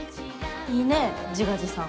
いいね自画自賛。